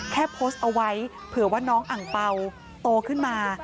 โพสต์เอาไว้เผื่อว่าน้องอังเปล่าโตขึ้นมา